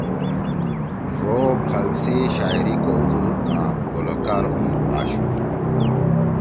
ڙو او پھل سی شاعری کؤدُود آں گلوکار ہُم آشُو۔